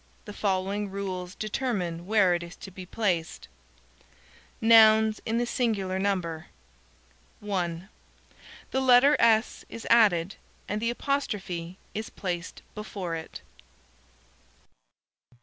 The following rules determine where it is to be placed: _Nouns in the singular number _ (1) The letter "s" is added, and the apostrophe is placed before it.